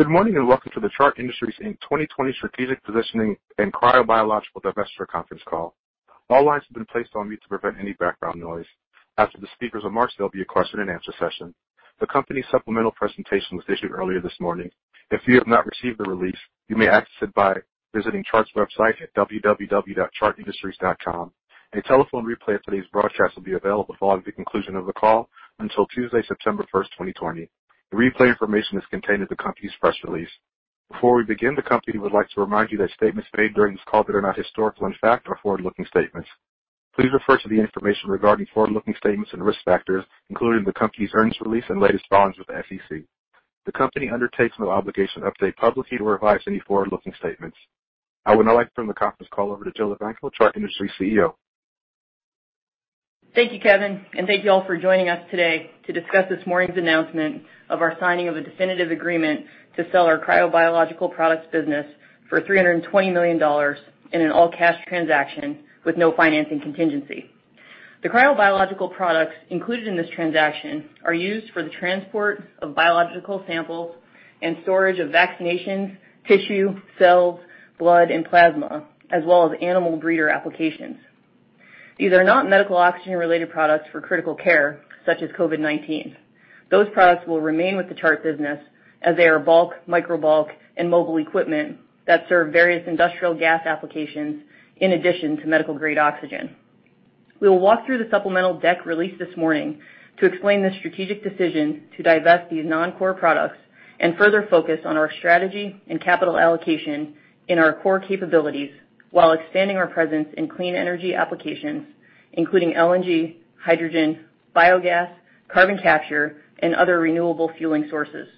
Good morning and welcome to the Chart Industries' 2020 Strategic Positioning and Cryobiological Divestiture Conference Call. All lines have been placed on mute to prevent any background noise. After the speakers' remarks, there will be a question-and-answer session. The company's supplemental presentation was issued earlier this morning. If you have not received the release, you may access it by visiting Chart's website at www.chartindustries.com. A telephone replay of today's broadcast will be available following the conclusion of the call until Tuesday, September 1st, 2020. The replay information is contained in the company's press release. Before we begin, the company would like to remind you that statements made during this call that are not historical, in fact, are forward-looking statements. Please refer to the information regarding forward-looking statements and risk factors, including the company's earnings release and latest filings with the SEC. The company undertakes no obligation to update publicly or revise any forward-looking statements. I would now like to turn the conference call over to Jill Evanko, Chart Industries CEO. Thank you, Kevin, and thank you all for joining us today to discuss this morning's announcement of our signing of a definitive agreement to sell our cryobiological products business for $320 million in an all-cash transaction with no financing contingency. The cryobiological products included in this transaction are used for the transport of biological samples and storage of vaccinations, tissue, cells, blood, and plasma, as well as animal breeder applications. These are not medical oxygen-related products for critical care, such as COVID-19. Those products will remain with the Chart business as they are bulk, microbulk, and mobile equipment that serve various industrial gas applications in addition to medical-grade oxygen. We will walk through the supplemental deck released this morning to explain the strategic decision to divest these non-core products and further focus on our strategy and capital allocation in our core capabilities while expanding our presence in clean energy applications, including LNG, hydrogen, biogas, carbon capture, and other renewable fueling sources.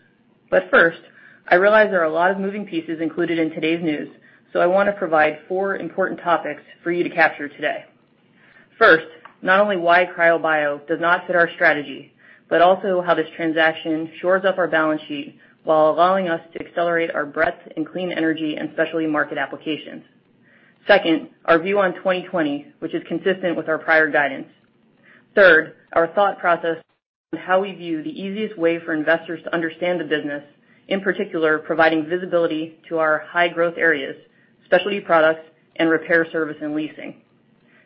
But first, I realize there are a lot of moving pieces included in today's news, so I want to provide four important topics for you to capture today. First, not only why cryobio does not fit our strategy, but also how this transaction shores up our balance sheet while allowing us to accelerate our breadth in clean energy and specialty market applications. Second, our view on 2020, which is consistent with our prior guidance. Third, our thought process on how we view the easiest way for investors to understand the business, in particular providing visibility to our high-growth areas, Specialty Products, and Repair, Service & Leasing.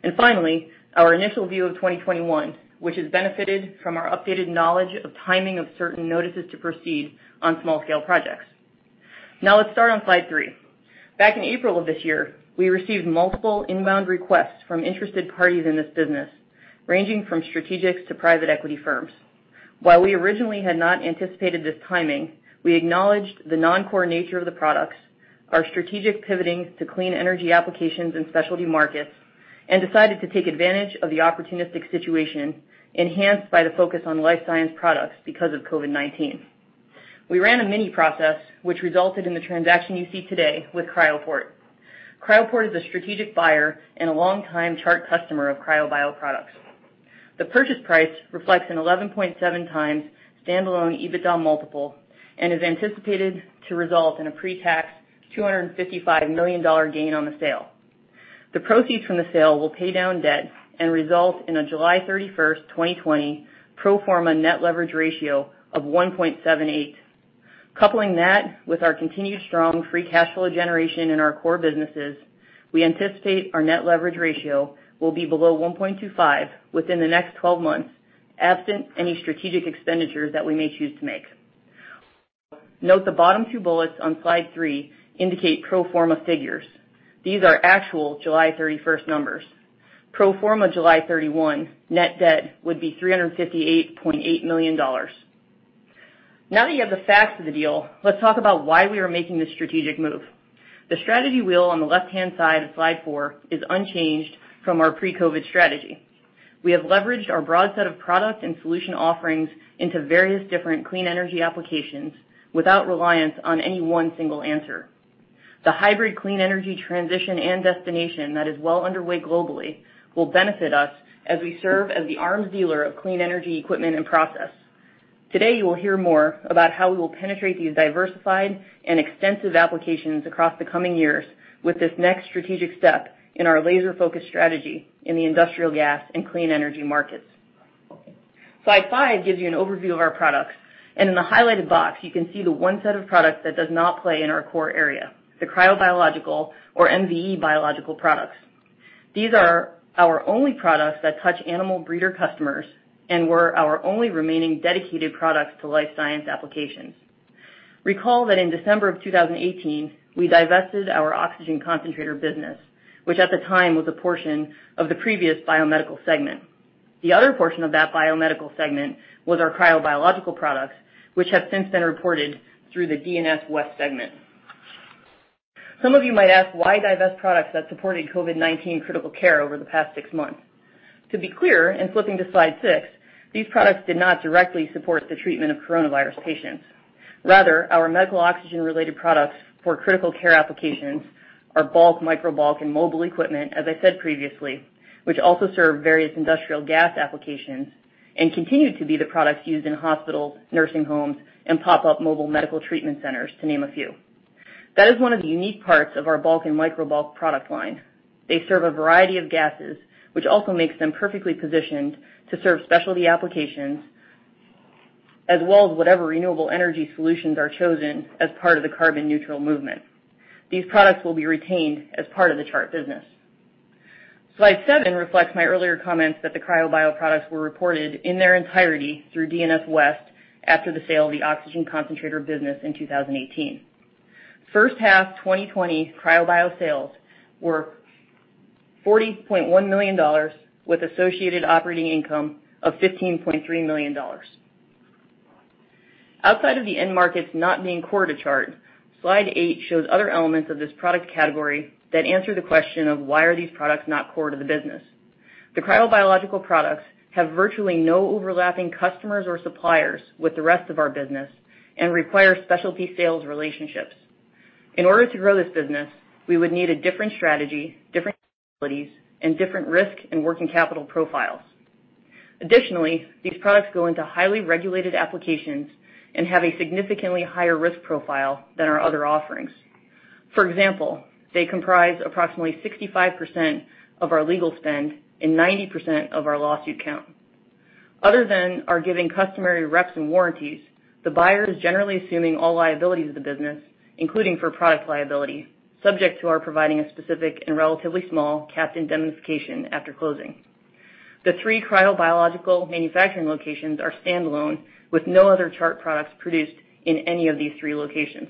And finally, our initial view of 2021, which has benefited from our updated knowledge of timing of certain notices to proceed on small-scale projects. Now let's start on slide three. Back in April of this year, we received multiple inbound requests from interested parties in this business, ranging from strategics to private equity firms. While we originally had not anticipated this timing, we acknowledged the non-core nature of the products, our strategic pivoting to clean energy applications and specialty markets, and decided to take advantage of the opportunistic situation enhanced by the focus on life science products because of COVID-19. We ran a mini-process, which resulted in the transaction you see today with Cryoport. Cryoport is a strategic buyer and a longtime Chart customer of cryobiological products. The purchase price reflects an 11.7 times standalone EBITDA multiple and is anticipated to result in a pre-tax $255 million gain on the sale. The proceeds from the sale will pay down debt and result in a July 31st, 2020, pro forma net leverage ratio of 1.78. Coupling that with our continued strong free cash flow generation in our core businesses, we anticipate our net leverage ratio will be below 1.25 within the next 12 months, absent any strategic expenditures that we may choose to make. Note the bottom two bullets on slide three indicate pro forma figures. These are actual July 31st numbers. Pro forma July 31 net debt would be $358.8 million. Now that you have the facts of the deal, let's talk about why we are making this strategic move. The strategy wheel on the left-hand side of slide four is unchanged from our pre-COVID strategy. We have leveraged our broad set of product and solution offerings into various different clean energy applications without reliance on any one single answer. The hybrid clean energy transition and destination that is well underway globally will benefit us as we serve as the arms dealer of clean energy equipment and process. Today, you will hear more about how we will penetrate these diversified and extensive applications across the coming years with this next strategic step in our laser-focused strategy in the industrial gas and clean energy markets. Slide five gives you an overview of our products, and in the highlighted box, you can see the one set of products that does not play in our core area, the cryobiological or MVE Biological Products. These are our only products that touch animal breeder customers and were our only remaining dedicated products to life science applications. Recall that in December of 2018, we divested our oxygen concentrator business, which at the time was a portion of the previous biomedical segment. The other portion of that biomedical segment was our cryobiological products, which have since been reported through the D&S West segment. Some of you might ask why divest products that supported COVID-19 critical care over the past six months? To be clear, and flipping to slide six, these products did not directly support the treatment of coronavirus patients. Rather, our medical oxygen-related products for critical care applications are bulk, microbulk, and mobile equipment, as I said previously, which also serve various industrial gas applications and continue to be the products used in hospitals, nursing homes, and pop-up mobile medical treatment centers, to name a few. That is one of the unique parts of our bulk and microbulk product line. They serve a variety of gases, which also makes them perfectly positioned to serve specialty applications as well as whatever renewable energy solutions are chosen as part of the carbon-neutral movement. These products will be retained as part of the Chart business. Slide seven reflects my earlier comments that the cryobio products were reported in their entirety through D&S West after the sale of the oxygen concentrator business in 2018. First half 2020 cryobio sales were $40.1 million with associated operating income of $15.3 million. Outside of the end markets not being core to Chart, slide eight shows other elements of this product category that answer the question of why are these products not core to the business. The cryobiological products have virtually no overlapping customers or suppliers with the rest of our business and require specialty sales relationships. In order to grow this business, we would need a different strategy, different abilities, and different risk and working capital profiles. Additionally, these products go into highly regulated applications and have a significantly higher risk profile than our other offerings. For example, they comprise approximately 65% of our legal spend and 90% of our lawsuit count. Other than our giving customary reps and warranties, the buyer is generally assuming all liabilities of the business, including for product liability, subject to our providing a specific and relatively small cap indemnification after closing. The three cryobiological manufacturing locations are standalone with no other Chart products produced in any of these three locations.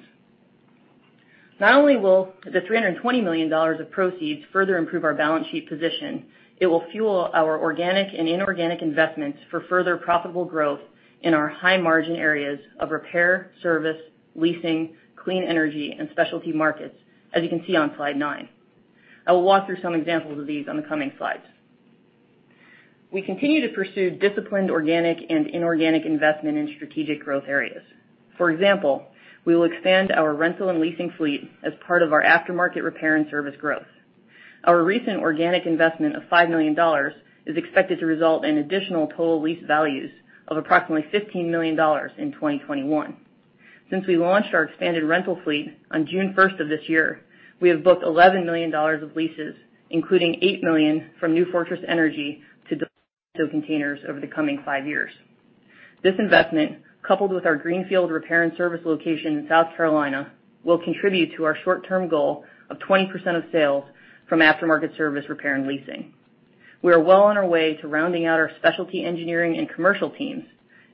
Not only will the $320 million of proceeds further improve our balance sheet position, it will fuel our organic and inorganic investments for further profitable growth in our high-margin areas of repair, service, leasing, clean energy, and specialty markets, as you can see on slide nine. I will walk through some examples of these on the coming slides. We continue to pursue disciplined organic and inorganic investment in strategic growth areas. For example, we will expand our rental and leasing fleet as part of our aftermarket repair and service growth. Our recent organic investment of $5 million is expected to result in additional total lease values of approximately $15 million in 2021. Since we launched our expanded rental fleet on June 1st of this year, we have booked $11 million of leases, including $8 million from New Fortress Energy to containers over the coming five years. This investment, coupled with our greenfield repair and service location in South Carolina, will contribute to our short-term goal of 20% of sales from aftermarket service, repair, and leasing. We are well on our way to rounding out our specialty engineering and commercial teams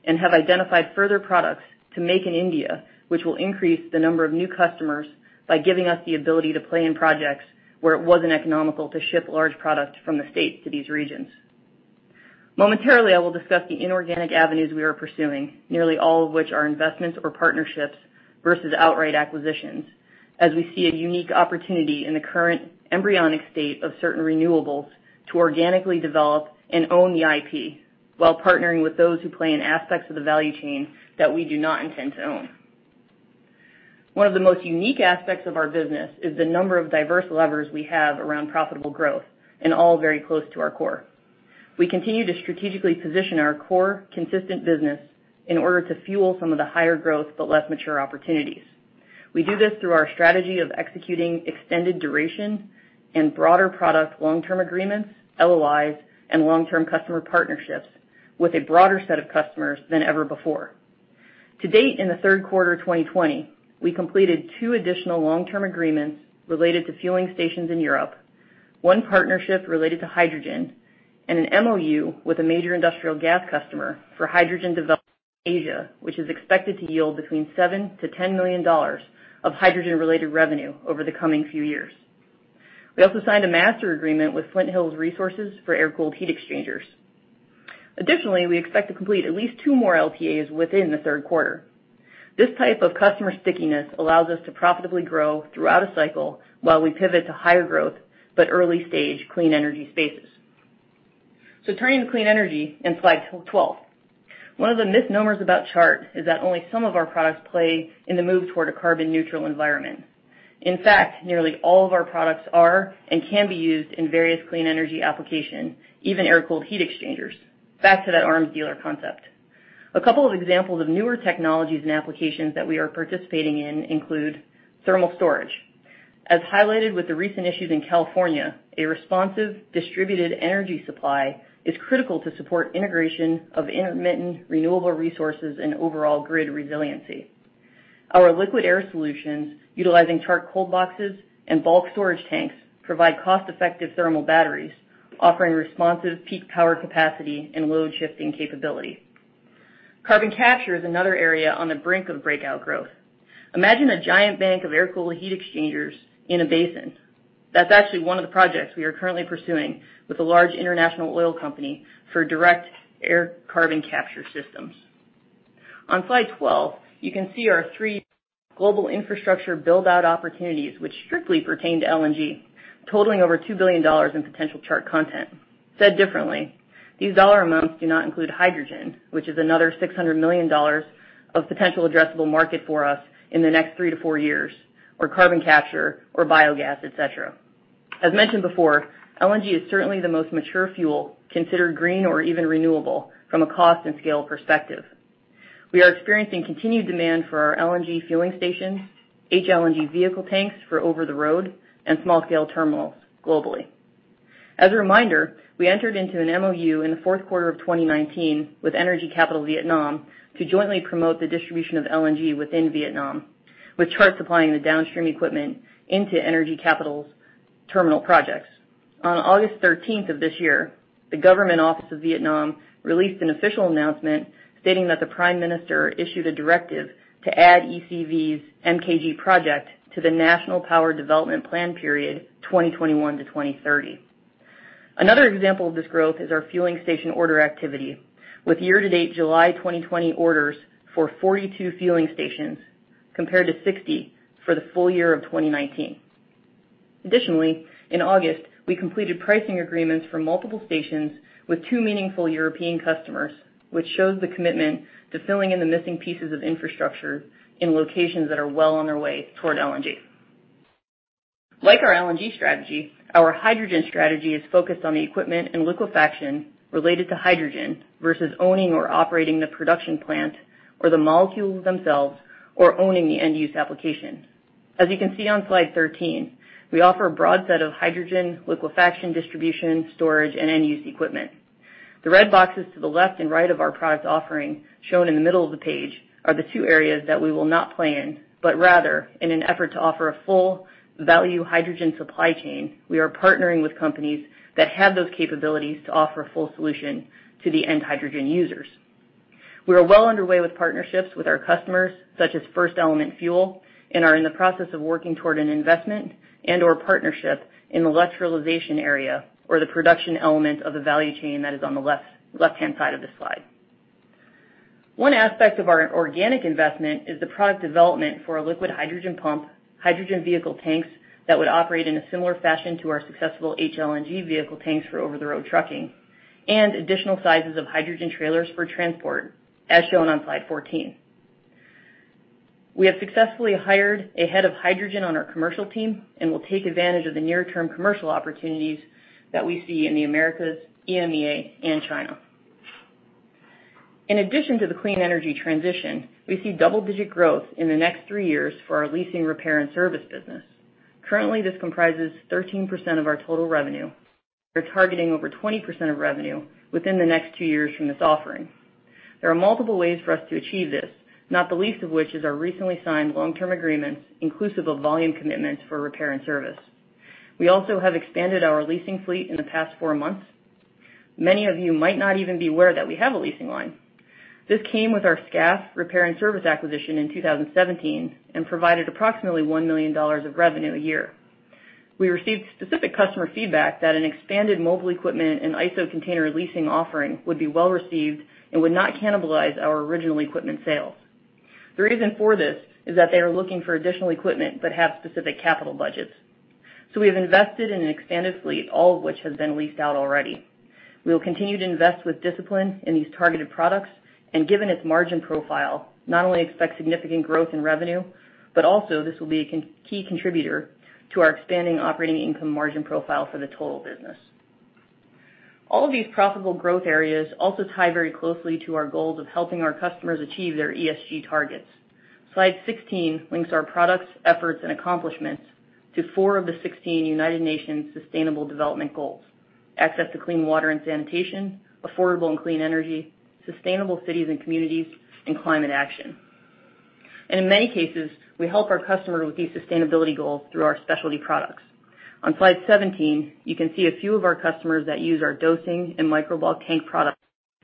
and have identified further products to make in India, which will increase the number of new customers by giving us the ability to play in projects where it wasn't economical to ship large products from the states to these regions. Momentarily, I will discuss the inorganic avenues we are pursuing, nearly all of which are investments or partnerships versus outright acquisitions, as we see a unique opportunity in the current embryonic state of certain renewables to organically develop and own the IP while partnering with those who play in aspects of the value chain that we do not intend to own. One of the most unique aspects of our business is the number of diverse levers we have around profitable growth, and all very close to our core. We continue to strategically position our core consistent business in order to fuel some of the higher growth but less mature opportunities. We do this through our strategy of executing extended duration and broader product long-term agreements, LOIs, and long-term customer partnerships with a broader set of customers than ever before. To date, in the third quarter of 2020, we completed two additional long-term agreements related to fueling stations in Europe, one partnership related to hydrogen, and an MOU with a major industrial gas customer for hydrogen development in Asia, which is expected to yield between $7-$10 million of hydrogen-related revenue over the coming few years. We also signed a master agreement with Flint Hills Resources for air-cooled heat exchangers. Additionally, we expect to complete at least two more LPAs within the third quarter. This type of customer stickiness allows us to profitably grow throughout a cycle while we pivot to higher growth but early-stage clean energy spaces. So turning to clean energy and slide 12. One of the misnomers about Chart is that only some of our products play in the move toward a carbon-neutral environment. In fact, nearly all of our products are and can be used in various clean energy applications, even air-cooled heat exchangers. Back to that arms dealer concept. A couple of examples of newer technologies and applications that we are participating in include thermal storage. As highlighted with the recent issues in California, a responsive distributed energy supply is critical to support integration of intermittent renewable resources and overall grid resiliency. Our liquid air solutions, utilizing Chart cold boxes and bulk storage tanks, provide cost-effective thermal batteries, offering responsive peak power capacity and load-shifting capability. Carbon capture is another area on the brink of breakout growth. Imagine a giant bank of air-cooled heat exchangers in a basin. That's actually one of the projects we are currently pursuing with a large international oil company for direct air carbon capture systems. On slide 12, you can see our three global infrastructure build-out opportunities, which strictly pertain to LNG, totaling over $2 billion in potential Chart content. Said differently, these dollar amounts do not include hydrogen, which is another $600 million of potential addressable market for us in the next three to four years, or carbon capture, or biogas, etc. As mentioned before, LNG is certainly the most mature fuel, considered green or even renewable, from a cost and scale perspective. We are experiencing continued demand for our LNG fueling stations, LNG vehicle tanks for over-the-road, and small-scale terminals globally. As a reminder, we entered into an MOU in the fourth quarter of 2019 with Energy Capital Vietnam to jointly promote the distribution of LNG within Vietnam, with Chart supplying the downstream equipment into Energy Capital's terminal projects. On August 13th of this year, the government office of Vietnam released an official announcement stating that the Prime Minister issued a directive to add ECV's MKG project to the National Power Development Plan period 2021 to 2030. Another example of this growth is our fueling station order activity, with year-to-date July 2020 orders for 42 fueling stations compared to 60 for the full year of 2019. Additionally, in August, we completed pricing agreements for multiple stations with two meaningful European customers, which shows the commitment to filling in the missing pieces of infrastructure in locations that are well on their way toward LNG. Like our LNG strategy, our hydrogen strategy is focused on the equipment and liquefaction related to hydrogen versus owning or operating the production plant or the molecules themselves or owning the end-use application. As you can see on slide 13, we offer a broad set of hydrogen liquefaction distribution, storage, and end-use equipment. The red boxes to the left and right of our product offering shown in the middle of the page are the two areas that we will not play in, but rather in an effort to offer a full-value hydrogen supply chain, we are partnering with companies that have those capabilities to offer a full solution to the end hydrogen users. We are well underway with partnerships with our customers, such as FirstElement Fuel, and are in the process of working toward an investment and/or partnership in the electrolyzer area or the production element of the value chain that is on the left-hand side of this slide. One aspect of our organic investment is the product development for a liquid hydrogen pump, hydrogen vehicle tanks that would operate in a similar fashion to our successful LNG vehicle tanks for over-the-road trucking, and additional sizes of hydrogen trailers for transport, as shown on slide 14. We have successfully hired a head of hydrogen on our commercial team and will take advantage of the near-term commercial opportunities that we see in the Americas, EMEA, and China. In addition to the clean energy transition, we see double-digit growth in the next three years for our leasing, repair, and service business. Currently, this comprises 13% of our total revenue. We're targeting over 20% of revenue within the next two years from this offering. There are multiple ways for us to achieve this, not the least of which is our recently signed long-term agreements inclusive of volume commitments for repair and service. We also have expanded our leasing fleet in the past four months. Many of you might not even be aware that we have a leasing line. This came with our Skaff repair and service acquisition in 2017 and provided approximately $1 million of revenue a year. We received specific customer feedback that an expanded mobile equipment and ISO container leasing offering would be well received and would not cannibalize our original equipment sales. The reason for this is that they are looking for additional equipment but have specific capital budgets. We have invested in an expanded fleet, all of which has been leased out already. We will continue to invest with discipline in these targeted products and, given its margin profile, not only expect significant growth in revenue, but also this will be a key contributor to our expanding operating income margin profile for the total business. All of these profitable growth areas also tie very closely to our goals of helping our customers achieve their ESG targets. Slide 16 links our products, efforts, and accomplishments to four of the 16 United Nations Sustainable Development Goals: access to clean water and sanitation, affordable and clean energy, sustainable cities and communities, and climate action. In many cases, we help our customers with these sustainability goals through our specialty products. On slide 17, you can see a few of our customers that use our dosing and microbulk tank products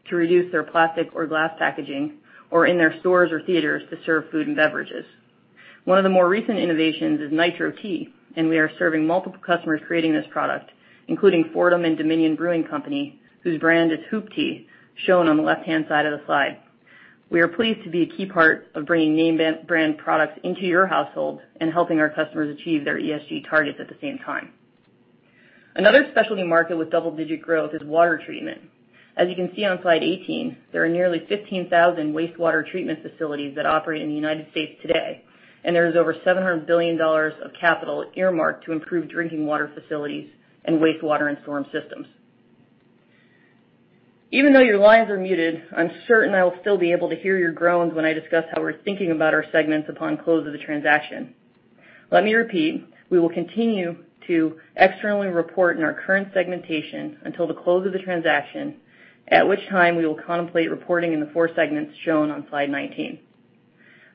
to reduce their plastic or glass packaging or in their stores or theaters to serve food and beverages. One of the more recent innovations is Nitro Tea, and we are serving multiple customers creating this product, including Fordham & Dominion Brewing Co., whose brand is Hoop Tea, shown on the left-hand side of the slide. We are pleased to be a key part of bringing name-brand products into your household and helping our customers achieve their ESG targets at the same time. Another specialty market with double-digit growth is water treatment. As you can see on slide 18, there are nearly 15,000 wastewater treatment facilities that operate in the United States today, and there is over $700 billion of capital earmarked to improve drinking water facilities and wastewater and storm systems. Even though your lines are muted, I'm certain I will still be able to hear your groans when I discuss how we're thinking about our segments upon close of the transaction. Let me repeat, we will continue to externally report in our current segmentation until the close of the transaction, at which time we will contemplate reporting in the four segments shown on slide 19.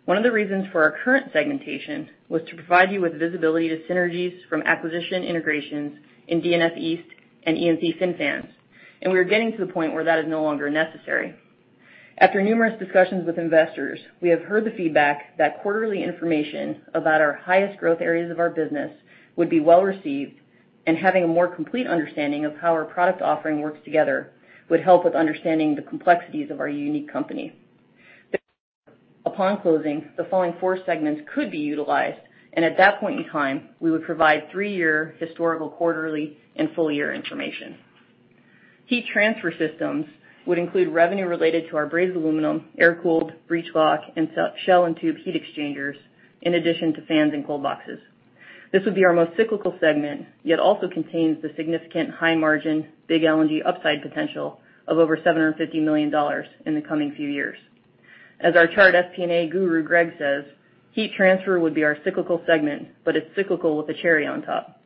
One of the reasons for our current segmentation was to provide you with visibility to synergies from acquisition integrations in D&S East and E&C FinFans, and we are getting to the point where that is no longer necessary. After numerous discussions with investors, we have heard the feedback that quarterly information about our highest growth areas of our business would be well received and having a more complete understanding of how our product offering works together would help with understanding the complexities of our unique company. Upon closing, the following four segments could be utilized, and at that point in time, we would provide three-year historical quarterly and full-year information. Heat Transfer Systems would include revenue related to our brazed aluminum, air-cooled brazed block, and shell-and-tube heat exchangers, in addition to fans and cold boxes. This would be our most cyclical segment, yet also contains the significant high-margin big LNG upside potential of over $750 million in the coming few years. As our Chart SP&A guru Greg says, "Heat transfer would be our cyclical segment, but it's cyclical with a cherry on top."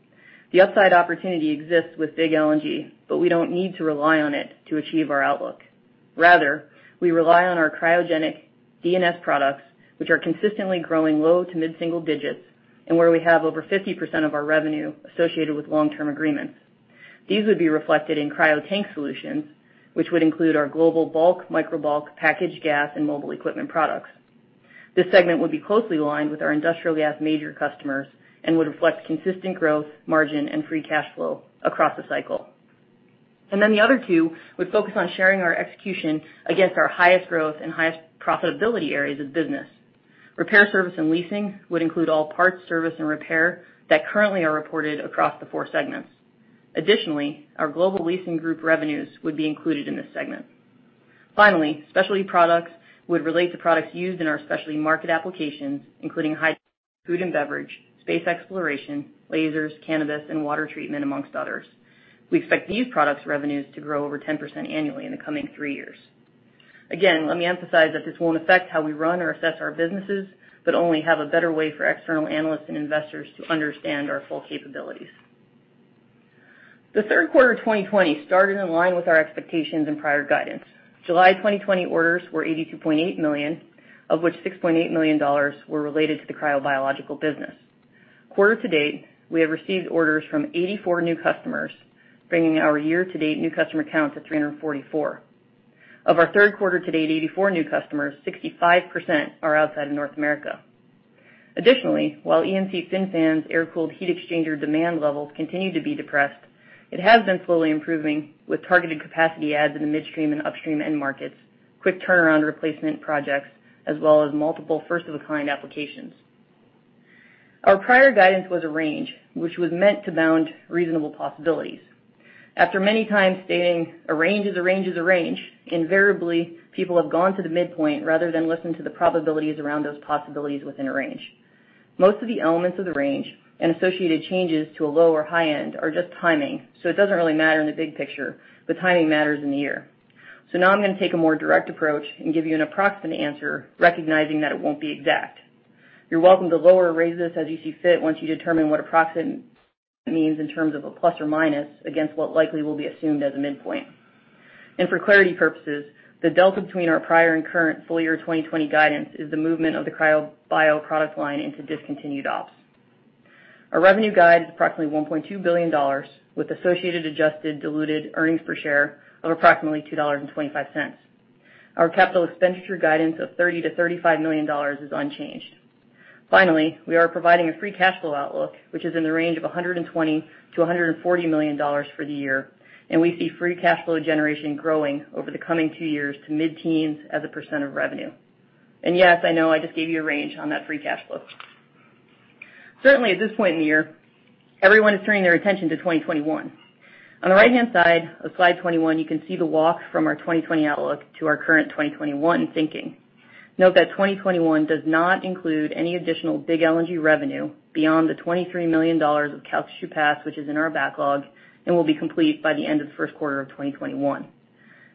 The upside opportunity exists with big LNG, but we don't need to rely on it to achieve our outlook. Rather, we rely on our cryogenic DNS products, which are consistently growing low to mid-single digits and where we have over 50% of our revenue associated with long-term agreements. These would be reflected in Cryo Tank Solutions, which would include our global bulk, microbulk, packaged gas, and mobile equipment products. This segment would be closely aligned with our industrial gas major customers and would reflect consistent growth, margin, and free cash flow across the cycle. And then the other two would focus on sharing our execution against our highest growth and highest profitability areas of business. Repair service and leasing would include all parts, service, and repair that currently are reported across the four segments. Additionally, our global leasing group revenues would be included in this segment. Finally, specialty products would relate to products used in our specialty market applications, including high-tech food and beverage, space exploration, lasers, cannabis, and water treatment, among others. We expect these products' revenues to grow over 10% annually in the coming three years. Again, let me emphasize that this won't affect how we run or assess our businesses, but only have a better way for external analysts and investors to understand our full capabilities. The third quarter of 2020 started in line with our expectations and prior guidance. July 2020 orders were $82.8 million, of which $6.8 million were related to the cryobiological business. Quarter to date, we have received orders from 84 new customers, bringing our year-to-date new customer count to 344. Of our third quarter-to-date 84 new customers, 65% are outside of North America. Additionally, while E&C Fin-Fan's air-cooled heat exchanger demand levels continue to be depressed, it has been slowly improving with targeted capacity adds in the midstream and upstream end markets, quick turnaround replacement projects, as well as multiple first-of-a-kind applications. Our prior guidance was a range, which was meant to bound reasonable possibilities. After many times stating, "A range is a range is a range," invariably, people have gone to the midpoint rather than listened to the probabilities around those possibilities within a range. Most of the elements of the range and associated changes to a low or high end are just timing, so it doesn't really matter in the big picture. The timing matters in the year. Now I'm going to take a more direct approach and give you an approximate answer, recognizing that it won't be exact. You're welcome to lower or raise this as you see fit once you determine what approximate means in terms of a plus or minus against what likely will be assumed as a midpoint. For clarity purposes, the delta between our prior and current full-year 2020 guidance is the movement of the cryobio product line into discontinued ops. Our revenue guide is approximately $1.2 billion, with associated adjusted diluted earnings per share of approximately $2.25. Our capital expenditure guidance of $30-$35 million is unchanged. Finally, we are providing a free cash flow outlook, which is in the range of $120-$140 million for the year, and we see free cash flow generation growing over the coming two years to mid-teens% of revenue. And yes, I know I just gave you a range on that free cash flow. Certainly, at this point in the year, everyone is turning their attention to 2021. On the right-hand side of slide 21, you can see the walk from our 2020 outlook to our current 2021 thinking. Note that 2021 does not include any additional big LNG revenue beyond the $23 million of Calcasieu Pass, which is in our backlog and will be complete by the end of the first quarter of 2021.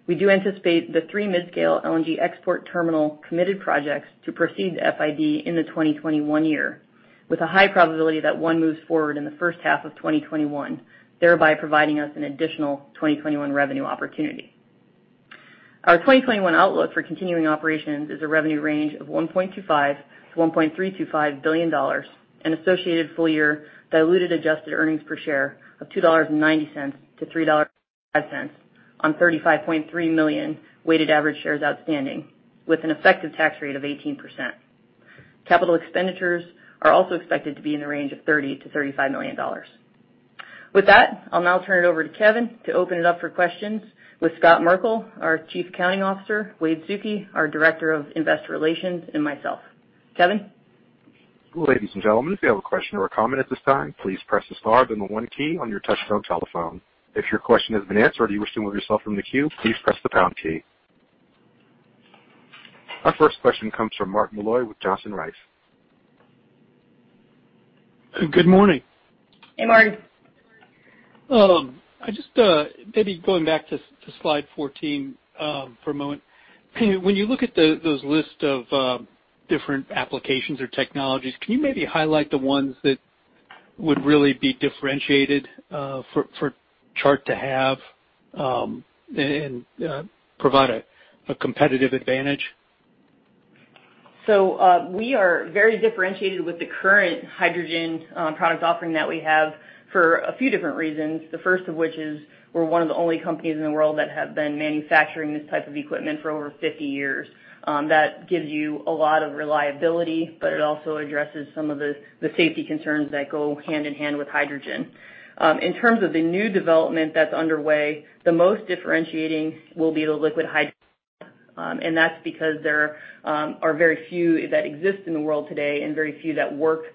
We do anticipate the three mid-scale LNG export terminal committed projects to proceed to FID in the 2021 year, with a high probability that one moves forward in the first half of 2021, thereby providing us an additional 2021 revenue opportunity. Our 2021 outlook for continuing operations is a revenue range of $1.25-$1.325 billion and associated full-year diluted adjusted earnings per share of $2.90-$3.05 on 35.3 million weighted average shares outstanding, with an effective tax rate of 18%. Capital expenditures are also expected to be in the range of $30-$35 million. With that, I'll now turn it over to Kevin to open it up for questions with Scott Merkel, our Chief Accounting Officer, Wade Suki, our Director of Investor Relations, and myself. Kevin. Ladies and gentlemen, if you have a question or a comment at this time, please press the star then the one key on your touch-tone telephone. If your question has been answered or you wish to move yourself from the queue, please press the pound key. Our first question comes from Marty Malloy with Johnson Rice. Good morning. Hey, Marty. I just maybe going back to slide 14 for a moment. When you look at those lists of different applications or technologies, can you maybe highlight the ones that would really be differentiated for Chart to have and provide a competitive advantage? So we are very differentiated with the current hydrogen product offering that we have for a few different reasons, the first of which is we're one of the only companies in the world that have been manufacturing this type of equipment for over 50 years. That gives you a lot of reliability, but it also addresses some of the safety concerns that go hand in hand with hydrogen. In terms of the new development that's underway, the most differentiating will be the liquid hydrogen, and that's because there are very few that exist in the world today and very few that work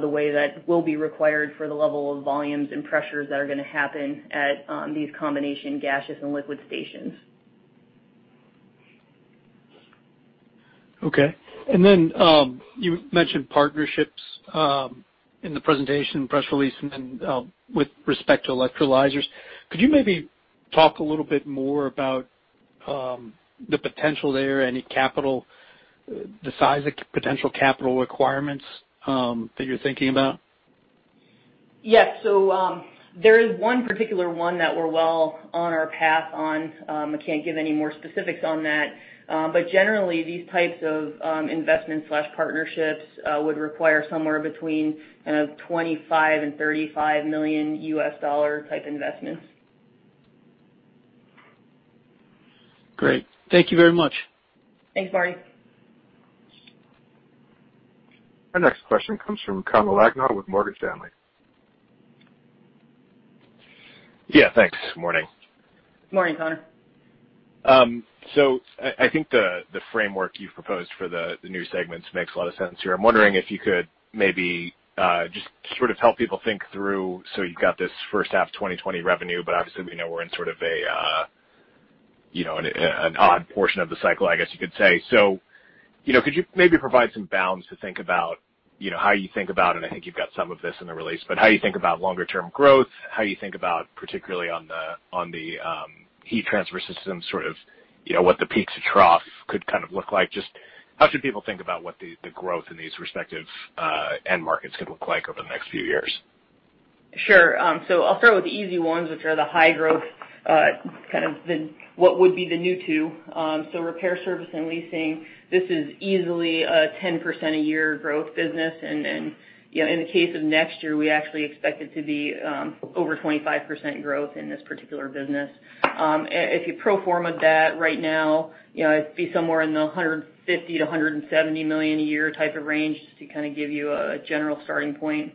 the way that will be required for the level of volumes and pressures that are going to happen at these combination gaseous and liquid stations. Okay. And then you mentioned partnerships in the presentation, press release, and then with respect to electrolyzers. Could you maybe talk a little bit more about the potential there, any capital, the size of potential capital requirements that you're thinking about? Yes. So there is one particular one that we're well on our path on. I can't give any more specifics on that. But generally, these types of investments/partnerships would require somewhere between kind of $25 million and $35 million type investments. Great. Thank you very much. Thanks, Marty. Our next question comes from Connor Wagner with Morgan Stanley. Yeah, thanks. Good morning. Good morning, Connor. I think the framework you've proposed for the new segments makes a lot of sense here. I'm wondering if you could maybe just sort of help people think through. So you've got this first half 2020 revenue, but obviously we know we're in sort of an odd portion of the cycle, I guess you could say. So could you maybe provide some bounds to think about how you think about, and I think you've got some of this in the release, but how you think about longer-term growth, how you think about particularly on the heat transfer systems, sort of what the peaks and troughs could kind of look like. Just how should people think about what the growth in these respective end markets could look like over the next few years? Sure. So I'll start with the easy ones, which are the high growth, kind of what would be the new two. So repair service and leasing, this is easily a 10% a year growth business. And in the case of next year, we actually expect it to be over 25% growth in this particular business. If you pro forma that right now, it'd be somewhere in the $150 million-$170 million a year type of range just to kind of give you a general starting point.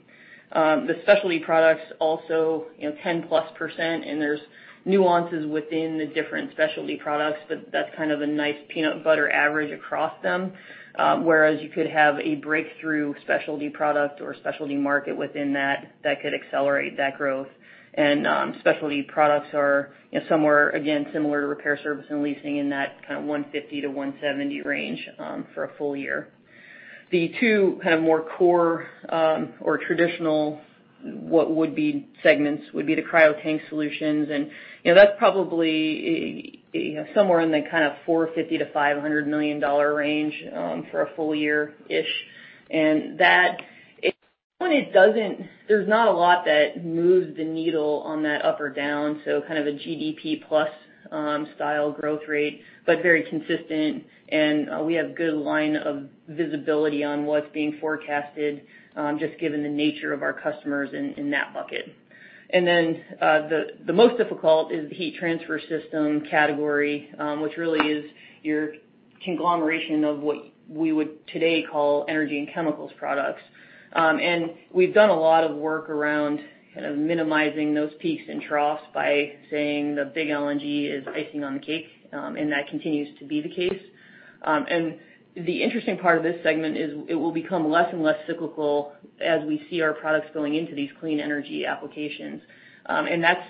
The specialty products also 10+%, and there's nuances within the different specialty products, but that's kind of a nice peanut butter average across them. Whereas you could have a breakthrough specialty product or specialty market within that that could accelerate that growth. And specialty products are somewhere, again, similar to repair service and leasing in that kind of $150-$170 range for a full year. The two kind of more core or traditional what would be segments would be the cryo tank solutions, and that's probably somewhere in the kind of $450-$500 million-dollar range for a full year-ish. And that, when it doesn't, there's not a lot that moves the needle on that up or down. So kind of a GDP plus style growth rate, but very consistent. And we have good line of visibility on what's being forecasted, just given the nature of our customers in that bucket. And then the most difficult is the heat transfer system category, which really is your conglomeration of what we would today call energy and chemicals products. And we've done a lot of work around kind of minimizing those peaks and troughs by saying the big LNG is icing on the cake, and that continues to be the case. And the interesting part of this segment is it will become less and less cyclical as we see our products going into these clean energy applications. And that's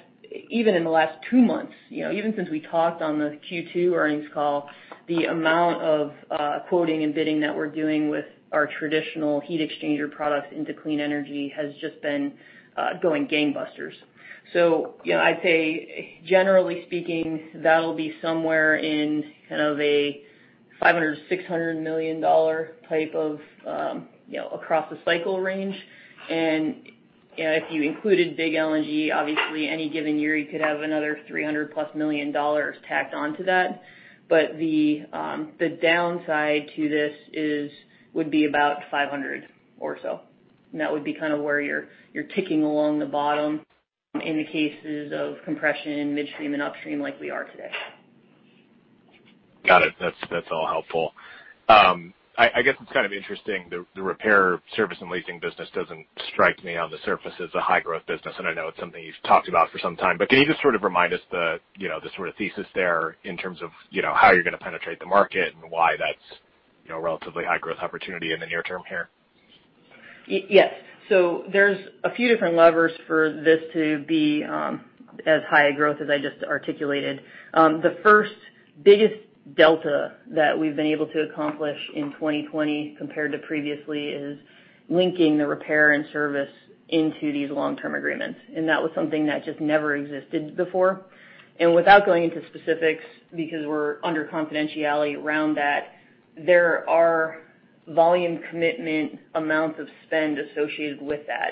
even in the last two months, even since we talked on the Q2 earnings call, the amount of quoting and bidding that we're doing with our traditional heat exchanger products into clean energy has just been going gangbusters. So I'd say, generally speaking, that'll be somewhere in kind of a $500-$600 million type of across the cycle range. And if you included big LNG, obviously any given year you could have another $300+ million dollars tacked onto that. But the downside to this would be about 500 or so. And that would be kind of where you're ticking along the bottom in the cases of compression midstream and upstream like we are today. Got it. That's all helpful. I guess it's kind of interesting. The repair service and leasing business doesn't strike me on the surface as a high growth business, and I know it's something you've talked about for some time. But can you just sort of remind us the sort of thesis there in terms of how you're going to penetrate the market and why that's a relatively high growth opportunity in the near term here? Yes. So there's a few different levers for this to be as high a growth as I just articulated. The first biggest delta that we've been able to accomplish in 2020 compared to previously is linking the repair and service into these long-term agreements. And that was something that just never existed before. And without going into specifics because we're under confidentiality around that, there are volume commitment amounts of spend associated with that.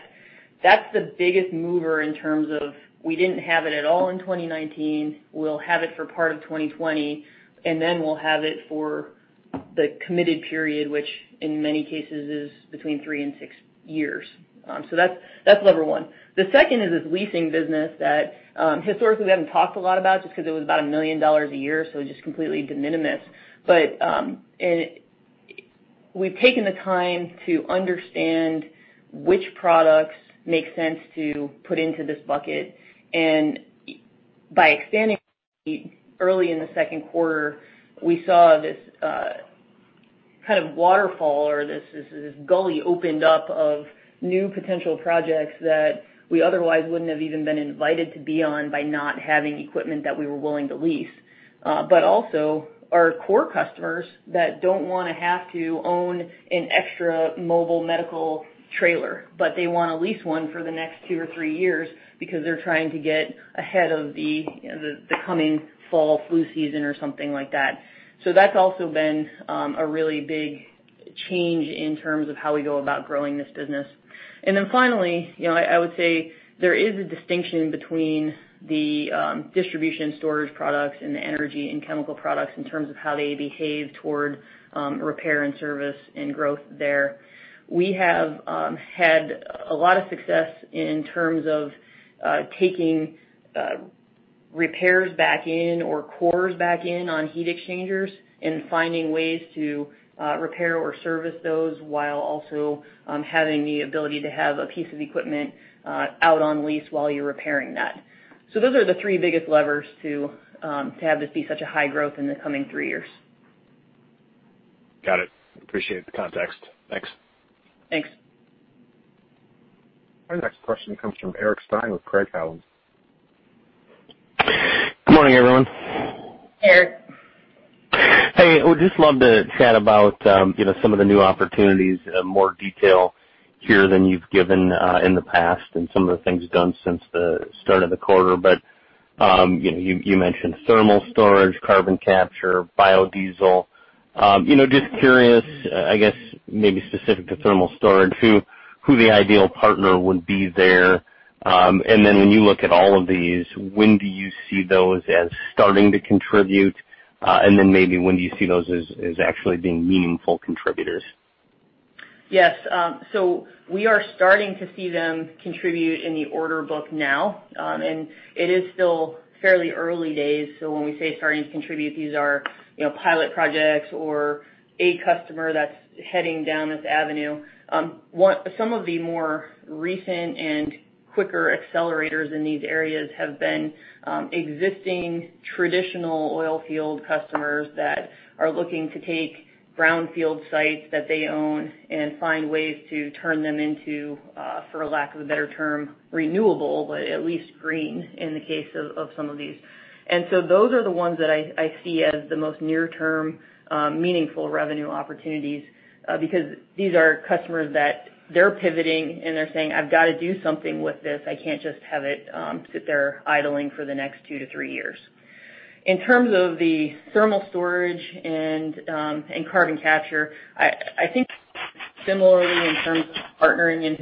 That's the biggest mover in terms of we didn't have it at all in 2019. We'll have it for part of 2020, and then we'll have it for the committed period, which in many cases is between three and six years. So that's level one. The second is this leasing business that historically we haven't talked a lot about just because it was about $1 million a year, so just completely de minimis. We've taken the time to understand which products make sense to put into this bucket. By expanding early in the second quarter, we saw this kind of waterfall or this gully opened up of new potential projects that we otherwise wouldn't have even been invited to be on by not having equipment that we were willing to lease. Our core customers that don't want to have to own an extra mobile medical trailer, but they want to lease one for the next two or three years because they're trying to get ahead of the coming fall flu season or something like that. That's also been a really big change in terms of how we go about growing this business. And then finally, I would say there is a distinction between the distribution storage products and the energy and chemical products in terms of how they behave toward repair and service and growth there. We have had a lot of success in terms of taking repairs back in or cores back in on heat exchangers and finding ways to repair or service those while also having the ability to have a piece of equipment out on lease while you're repairing that. So those are the three biggest levers to have this be such a high growth in the coming three years. Got it. Appreciate the context. Thanks. Thanks. Our next question comes from Eric Stine with Craig-Hallum. Good morning, everyone. Hey, Eric. Hey. We'd just love to chat about some of the new opportunities in more detail here than you've given in the past and some of the things done since the start of the quarter, but you mentioned thermal storage, carbon capture, biodiesel. Just curious, I guess maybe specific to thermal storage, who the ideal partner would be there? And then when you look at all of these, when do you see those as starting to contribute? And then maybe when you see those as actually being meaningful contributors? Yes. So we are starting to see them contribute in the order book now, and it is still fairly early days, so when we say starting to contribute, these are pilot projects or a customer that's heading down this avenue. Some of the more recent and quicker accelerators in these areas have been existing traditional oil field customers that are looking to take brownfield sites that they own and find ways to turn them into, for lack of a better term, renewable, but at least green in the case of some of these, and so those are the ones that I see as the most near-term meaningful revenue opportunities because these are customers that they're pivoting and they're saying, "I've got to do something with this. I can't just have it sit there idling for the next two to three years." In terms of the thermal storage and carbon capture, I think similarly in terms of partnering and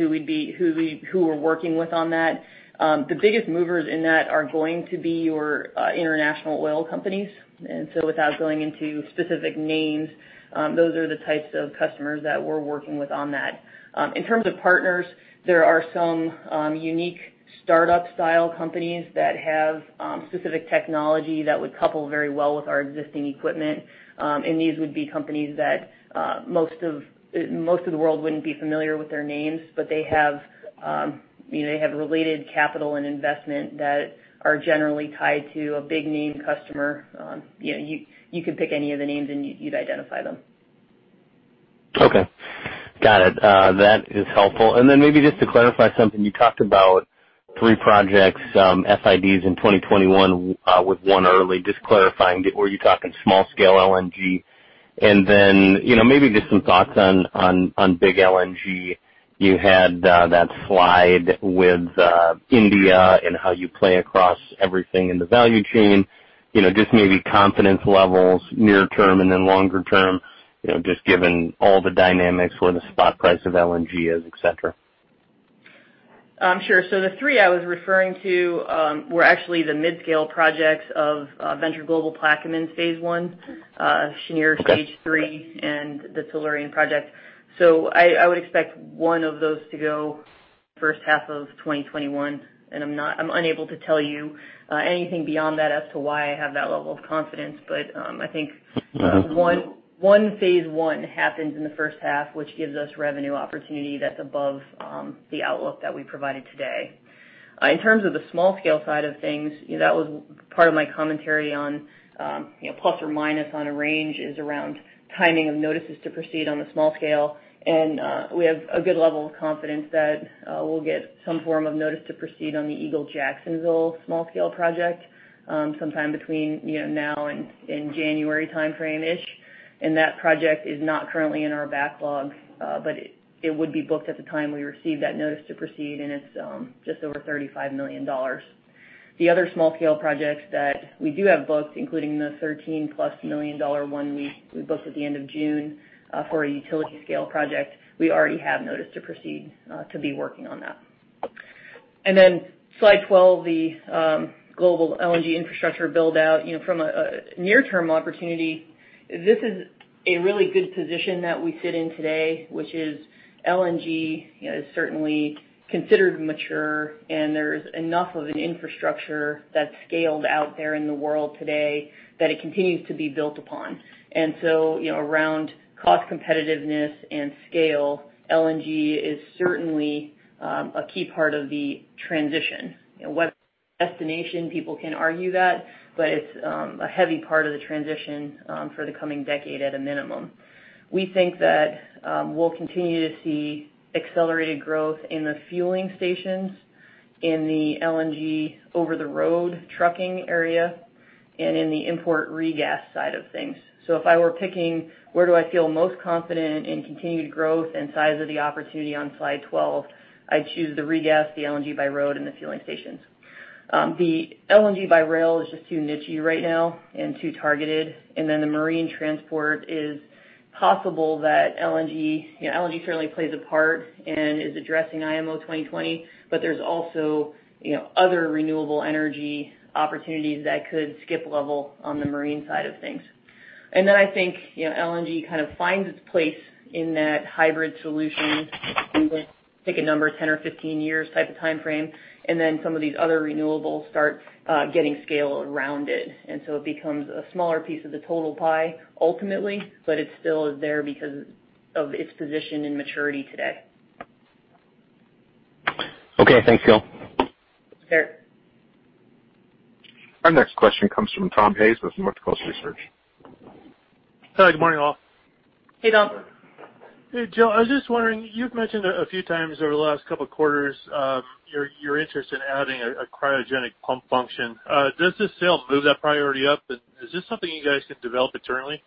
who we're working with on that, the biggest movers in that are going to be your international oil companies. And so without going into specific names, those are the types of customers that we're working with on that. In terms of partners, there are some unique startup-style companies that have specific technology that would couple very well with our existing equipment. And these would be companies that most of the world wouldn't be familiar with their names, but they have related capital and investment that are generally tied to a big name customer. You could pick any of the names and you'd identify them. Okay. Got it. That is helpful. And then maybe just to clarify something, you talked about three projects, FIDs in 2021 with one early. Just clarifying, were you talking small-scale LNG? And then maybe just some thoughts on big LNG. You had that slide with India and how you play across everything in the value chain. Just maybe confidence levels, near-term and then longer-term, just given all the dynamics where the spot price of LNG is, etc. Sure. So the three I was referring to were actually the mid-scale projects of Venture Global Plaquemines phase one, Cheniere stage three, and the Tellurian project. So I would expect one of those to go first half of 2021. And I'm unable to tell you anything beyond that as to why I have that level of confidence. But I think once phase one happens in the first half, which gives us revenue opportunity that's above the outlook that we provided today. In terms of the small-scale side of things, that was part of my commentary on plus or minus on a range is around timing of notices to proceed on the small scale. And we have a good level of confidence that we'll get some form of notice to proceed on the Eagle LNG Jacksonville small-scale project sometime between now and January timeframe-ish. And that project is not currently in our backlog, but it would be booked at the time we receive that notice to proceed, and it's just over $35 million. The other small-scale projects that we do have booked, including the $13 plus million one we booked at the end of June for a utility-scale project, we already have notice to proceed to be working on that. And then slide 12, the global LNG infrastructure buildout from a near-term opportunity. This is a really good position that we sit in today, which is LNG is certainly considered mature, and there is enough of an infrastructure that's scaled out there in the world today that it continues to be built upon. And so around cost competitiveness and scale, LNG is certainly a key part of the transition. Whether it's destination, people can argue that, but it's a heavy part of the transition for the coming decade at a minimum. We think that we'll continue to see accelerated growth in the fueling stations, in the LNG over-the-road trucking area, and in the import re-gas side of things. So if I were picking where do I feel most confident in continued growth and size of the opportunity on slide 12, I'd choose the re-gas, the LNG by road, and the fueling stations. The LNG by rail is just too niche-y right now and too targeted. And then the marine transport is possible that LNG certainly plays a part and is addressing IMO 2020, but there's also other renewable energy opportunities that could skip level on the marine side of things. And then I think LNG kind of finds its place in that hybrid solution. We'll take a number, 10 or 15 years type of timeframe, and then some of these other renewables start getting scale around it, and so it becomes a smaller piece of the total pie ultimately, but it still is there because of its position and maturity today. Okay. Thanks, Jill. Sure. Our next question comes from Tom Hayes with North Coast Research. Hi. Good morning, all. Hey, Tom. Hey, Jill. I was just wondering, you've mentioned a few times over the last couple of quarters your interest in adding a cryogenic pump function. Does this sale move that priority up? And is this something you guys can develop internally?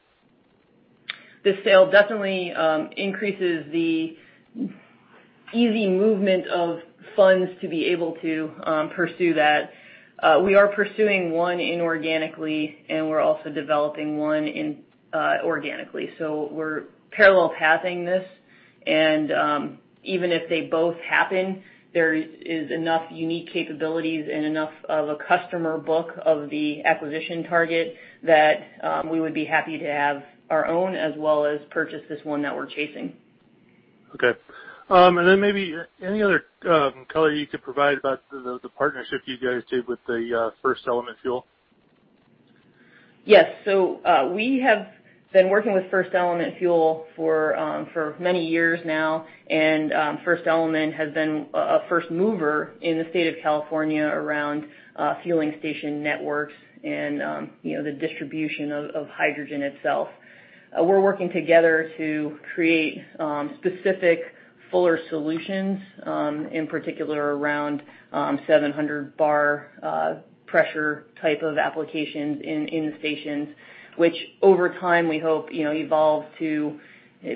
This sale definitely increases the easy movement of funds to be able to pursue that. We are pursuing one inorganically, and we're also developing one organically. So we're parallel pathing this. And even if they both happen, there is enough unique capabilities and enough of a customer book of the acquisition target that we would be happy to have our own as well as purchase this one that we're chasing. Okay, and then maybe any other color you could provide about the partnership you guys did with the FirstElement Fuel? Yes, so we have been working with FirstElement Fuel for many years now, and FirstElement has been a first mover in the state of California around fueling station networks and the distribution of hydrogen itself. We're working together to create specific fueled solutions, in particular around 700 bar pressure type of applications in the stations, which over time we hope evolves to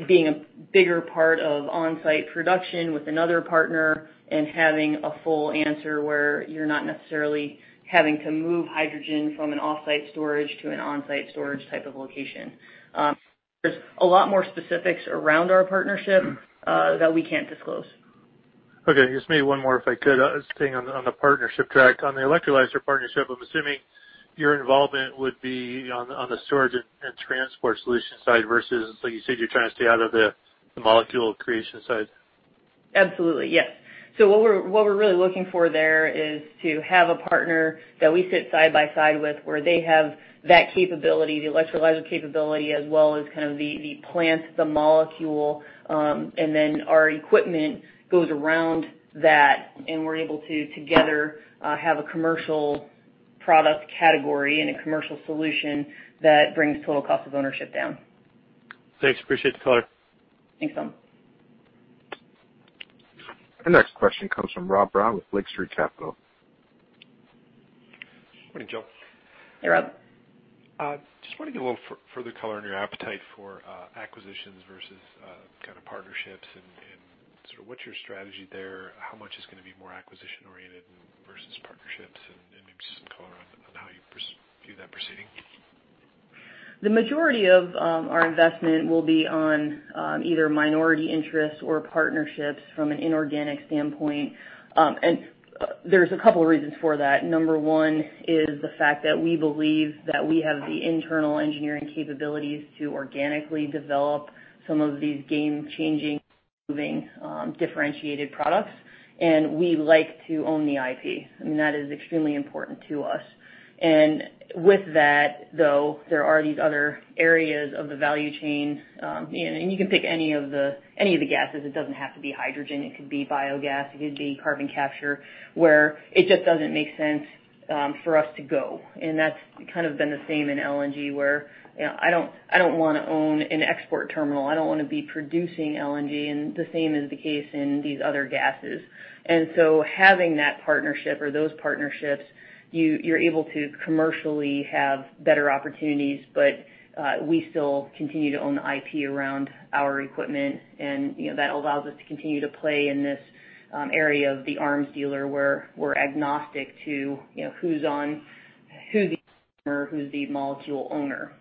being a bigger part of on-site production with another partner and having a full answer where you're not necessarily having to move hydrogen from an off-site storage to an on-site storage type of location. There's a lot more specifics around our partnership that we can't disclose. Okay. Just maybe one more if I could. Staying on the partnership track, on the electrolyzer partnership, I'm assuming your involvement would be on the storage and transport solution side versus, like you said, you're trying to stay out of the molecule creation side. Absolutely. Yes. So what we're really looking for there is to have a partner that we sit side by side with where they have that capability, the electrolyzer capability, as well as kind of the plant, the molecule, and then our equipment goes around that. And we're able to together have a commercial product category and a commercial solution that brings total cost of ownership down. Thanks. Appreciate the color. Thanks, Tom. Our next question comes from Rob Brown with Lake Street Capital. Morning, Jill. Hey, Rob. Just want to get a little further color on your appetite for acquisitions versus kind of partnerships and sort of what's your strategy there, how much is going to be more acquisition-oriented versus partnerships, and maybe just some color on how you view that proceeding? The majority of our investment will be on either minority interests or partnerships from an inorganic standpoint. And there's a couple of reasons for that. Number one is the fact that we believe that we have the internal engineering capabilities to organically develop some of these game-changing, moving, differentiated products. And we like to own the IP. I mean, that is extremely important to us. And with that, though, there are these other areas of the value chain, and you can pick any of the gases. It doesn't have to be hydrogen. It could be biogas. It could be carbon capture where it just doesn't make sense for us to go. And that's kind of been the same in LNG where I don't want to own an export terminal. I don't want to be producing LNG. And the same is the case in these other gases. Having that partnership or those partnerships, you're able to commercially have better opportunities, but we still continue to own the IP around our equipment. That allows us to continue to play in this area of the arms dealer where we're agnostic to who's the owner or who's the molecule owner.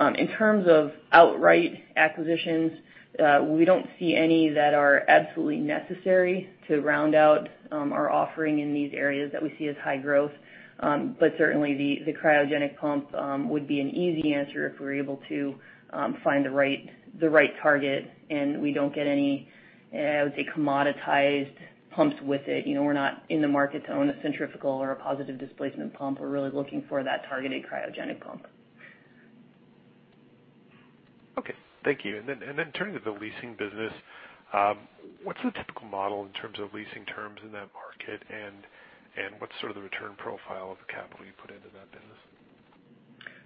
In terms of outright acquisitions, we don't see any that are absolutely necessary to round out our offering in these areas that we see as high growth. Certainly, the cryogenic pump would be an easy answer if we're able to find the right target. We don't get any, I would say, commoditized pumps with it. We're not in the market to own a centrifugal or a positive displacement pump. We're really looking for that targeted cryogenic pump. Okay. Thank you. Then turning to the leasing business, what's the typical model in terms of leasing terms in that market, and what's sort of the return profile of the capital you put into that business?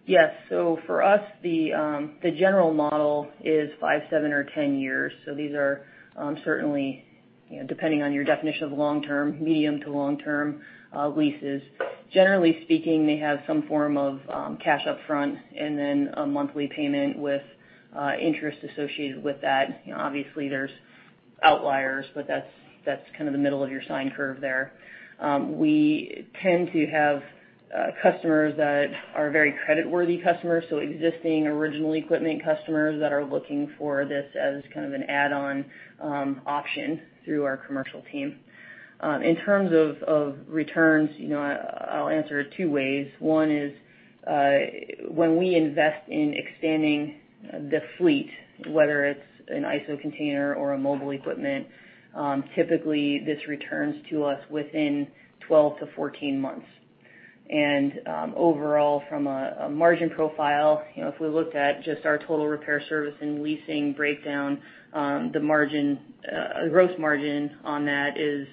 Yes. So for us, the general model is five, seven, or 10 years. So these are certainly, depending on your definition of long-term, medium- to long-term leases. Generally speaking, they have some form of cash upfront and then a monthly payment with interest associated with that. Obviously, there's outliers, but that's kind of the middle of your S-curve there. We tend to have customers that are very creditworthy customers, so existing original equipment customers that are looking for this as kind of an add-on option through our commercial team. In terms of returns, I'll answer it two ways. One is when we invest in expanding the fleet, whether it's an ISO container or a mobile equipment, typically this returns to us within 12-14 months. Overall, from a margin profile, if we looked at just our total repair service and leasing breakdown, the gross margin on that is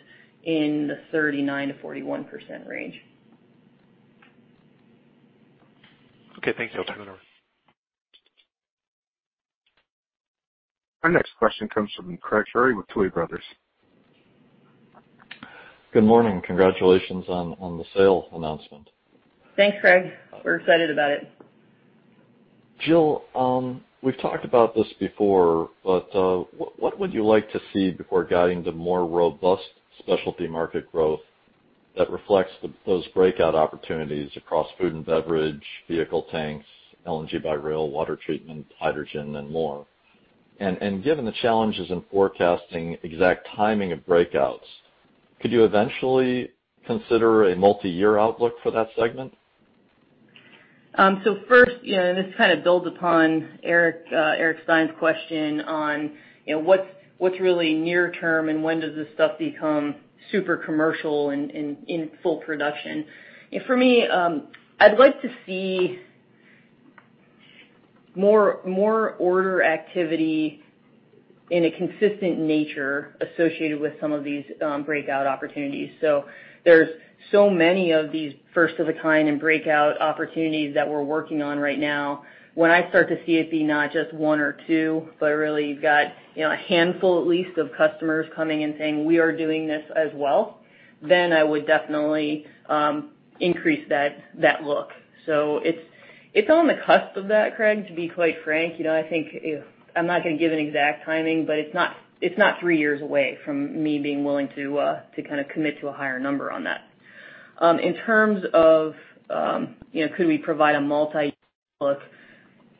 in the 39%-41% range. Okay. Thank you, Jill. Our next question comes from Craig Shere with Tuohy Brothers. Good morning. Congratulations on the sale announcement. Thanks, Craig. We're excited about it. Jill, we've talked about this before, but what would you like to see before guiding to more robust specialty market growth that reflects those breakout opportunities across food and beverage, vehicle tanks, LNG by rail, water treatment, hydrogen, and more? And given the challenges in forecasting exact timing of breakouts, could you eventually consider a multi-year outlook for that segment? First, and this kind of builds upon Eric Stine's question on what's really near-term and when does this stuff become super commercial and in full production. For me, I'd like to see more order activity in a consistent nature associated with some of these breakout opportunities. There's so many of these first-of-a-kind and breakout opportunities that we're working on right now. When I start to see it be not just one or two, but really you've got a handful at least of customers coming and saying, "We are doing this as well," then I would definitely increase that look. It's on the cusp of that, Craig, to be quite frank. I think I'm not going to give an exact timing, but it's not three years away from me being willing to kind of commit to a higher number on that. In terms of could we provide a multi-year look,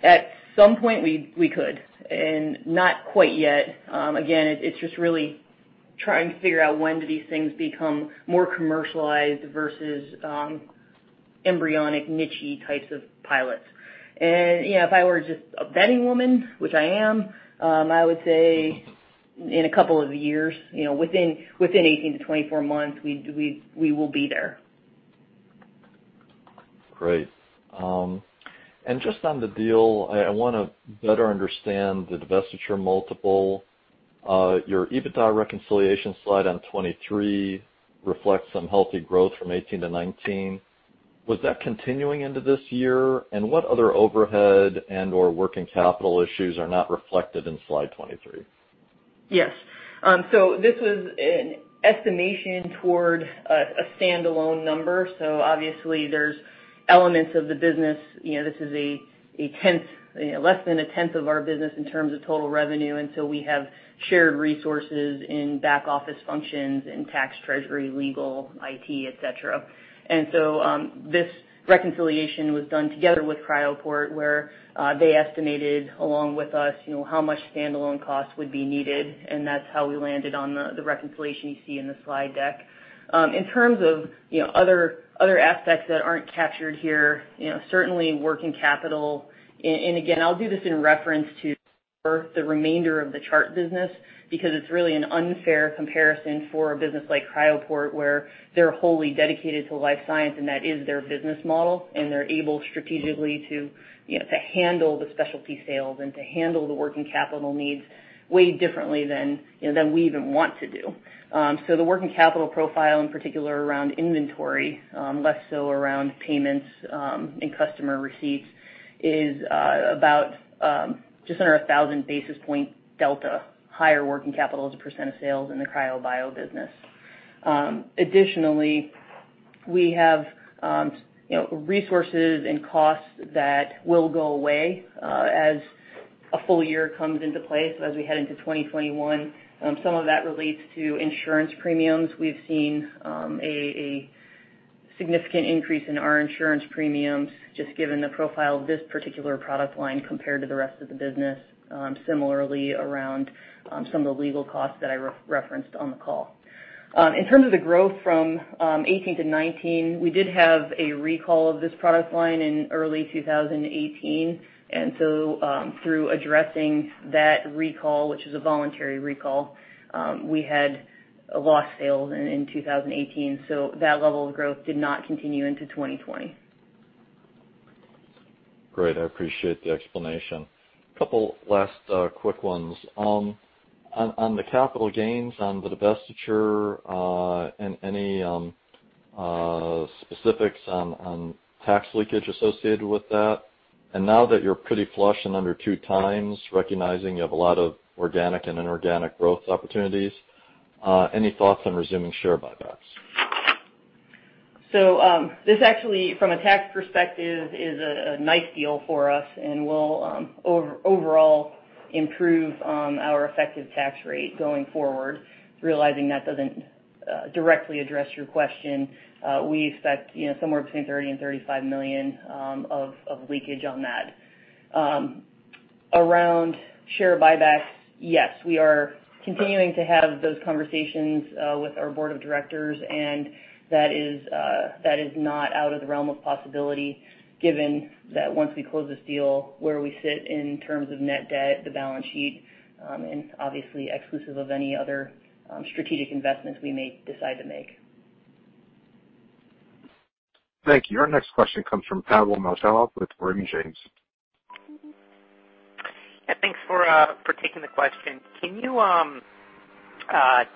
at some point we could, and not quite yet. Again, it's just really trying to figure out when do these things become more commercialized versus embryonic niche-y types of pilots, and if I were just a betting woman, which I am, I would say in a couple of years, within 18-24 months, we will be there. Great. And just on the deal, I want to better understand the divestiture multiple. Your EBITDA reconciliation slide on 23 reflects some healthy growth from 18 to 19. Was that continuing into this year? And what other overhead and/or working capital issues are not reflected in slide 23? Yes, so this was an estimation toward a standalone number, so obviously, there's elements of the business. This is a tenth, less than a tenth of our business in terms of total revenue, and so we have shared resources in back office functions and tax, treasury, legal, IT, etc., and so this reconciliation was done together with Cryoport where they estimated along with us how much standalone cost would be needed. And that's how we landed on the reconciliation you see in the slide deck. In terms of other aspects that aren't captured here, certainly working capital. And again, I'll do this in reference to the remainder of the Chart business because it's really an unfair comparison for a business like Cryoport where they're wholly dedicated to life science and that is their business model. They’re able strategically to handle the specialty sales and to handle the working capital needs way differently than we even want to do. So the working capital profile in particular around inventory, less so around payments and customer receipts, is about just under 1,000 basis point delta higher working capital as a % of sales in the cryobiological business. Additionally, we have resources and costs that will go away as a full year comes into place. As we head into 2021, some of that relates to insurance premiums. We’ve seen a significant increase in our insurance premiums just given the profile of this particular product line compared to the rest of the business. Similarly, around some of the legal costs that I referenced on the call. In terms of the growth from 2018 to 2019, we did have a recall of this product line in early 2018. And so through addressing that recall, which is a voluntary recall, we had a lost sale in 2018. So that level of growth did not continue into 2020. Great. I appreciate the explanation. A couple last quick ones. On the capital gains on the divestiture and any specifics on tax leakage associated with that. And now that you're pretty flush and under two times, recognizing you have a lot of organic and inorganic growth opportunities, any thoughts on resuming share buybacks? This actually, from a tax perspective, is a nice deal for us and will overall improve our effective tax rate going forward. Realizing that doesn't directly address your question, we expect somewhere between $30 million and $35 million of leakage on that. Around share buybacks, yes, we are continuing to have those conversations with our board of directors. That is not out of the realm of possibility given that once we close this deal, where we sit in terms of net debt, the balance sheet, and obviously exclusive of any other strategic investments we may decide to make. Thank you. Our next question comes from Pavel Molchanov with Raymond James. Yeah. Thanks for taking the question. Can you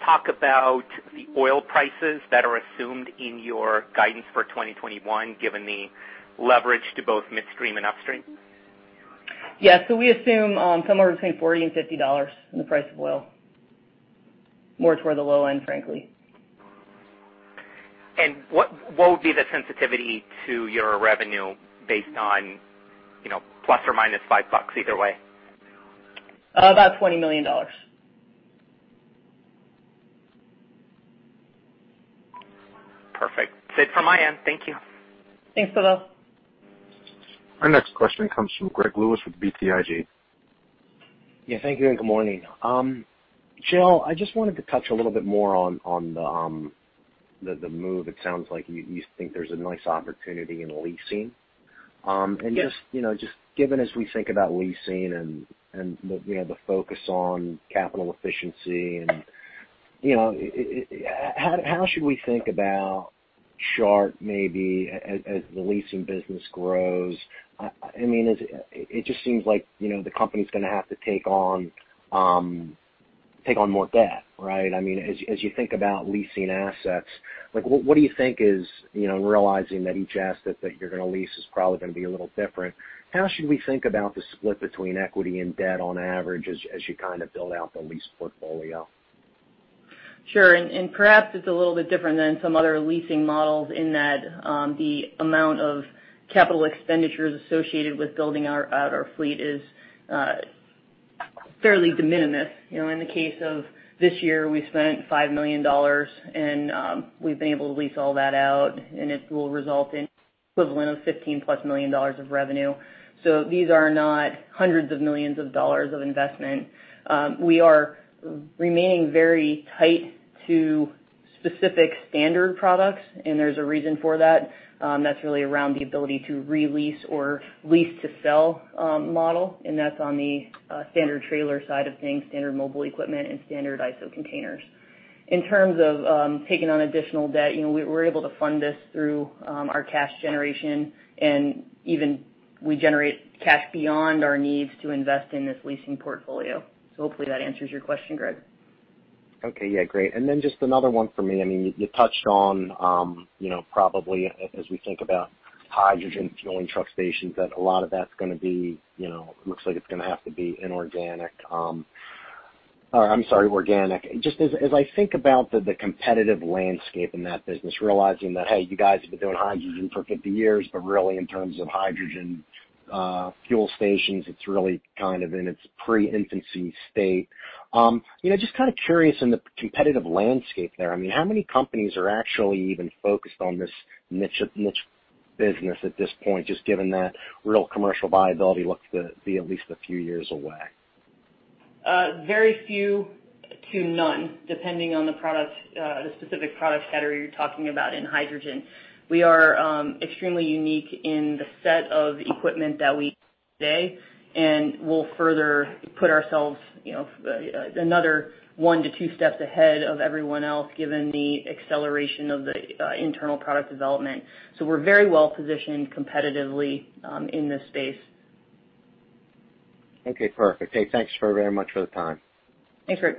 talk about the oil prices that are assumed in your guidance for 2021 given the leverage to both midstream and upstream? Yeah. So we assume somewhere between $40 and $50 in the price of oil, more toward the low end, frankly. What would be the sensitivity to your revenue based on plus or minus $5 either way? About $20 million. Perfect. That's it from my end. Thank you. Thanks, Pavel. Our next question comes from Greg Lewis with BTIG. Yeah. Thank you and good morning. Jill, I just wanted to touch a little bit more on the move. It sounds like you think there's a nice opportunity in leasing. And just given as we think about leasing and the focus on capital efficiency, how should we think about Chart maybe as the leasing business grows? I mean, it just seems like the company's going to have to take on more debt, right? I mean, as you think about leasing assets, what do you think, realizing that each asset that you're going to lease is probably going to be a little different? How should we think about the split between equity and debt on average as you kind of build out the lease portfolio? Sure. And perhaps it's a little bit different than some other leasing models in that the amount of capital expenditures associated with building out our fleet is fairly de minimis. In the case of this year, we spent $5 million, and we've been able to lease all that out. And it will result in an equivalent of $15-plus million dollars of revenue. So these are not hundreds of millions of dollars of investment. We are remaining very tight to specific standard products. And there's a reason for that. That's really around the ability to re-lease or lease-to-sell model. And that's on the standard trailer side of things, standard mobile equipment, and standard ISO containers. In terms of taking on additional debt, we're able to fund this through our cash generation. And even we generate cash beyond our needs to invest in this leasing portfolio. So hopefully that answers your question, Greg. Okay. Yeah. Great. And then just another one for me. I mean, you touched on probably as we think about hydrogen fueling truck stations that a lot of that's going to be it looks like it's going to have to be inorganic. Or I'm sorry, organic. Just as I think about the competitive landscape in that business, realizing that, hey, you guys have been doing hydrogen for 50 years, but really in terms of hydrogen fuel stations, it's really kind of in its pre-infancy state. Just kind of curious in the competitive landscape there. I mean, how many companies are actually even focused on this niche business at this point, just given that real commercial viability looks to be at least a few years away? Very few to none, depending on the specific product category you're talking about in hydrogen. We are extremely unique in the set of equipment that we have today and will further put ourselves another one to two steps ahead of everyone else given the acceleration of the internal product development, so we're very well positioned competitively in this space. Okay. Perfect. Hey, thanks very much for the time. Thanks, Greg.